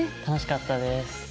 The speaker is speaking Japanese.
楽しかったです。